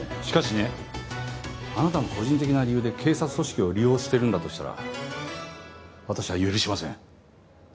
しかしねあなたの個人的な理由で警察組織を利用してるんだとしたら私は許しません。